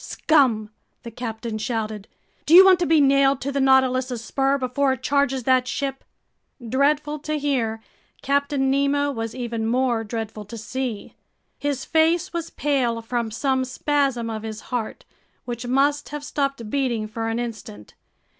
"Scum!" the captain shouted. "Do you want to be nailed to the Nautilus's spur before it charges that ship?" Dreadful to hear, Captain Nemo was even more dreadful to see. His face was pale from some spasm of his heart, which must have stopped beating for an instant.